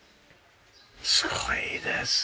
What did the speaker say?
すごいです！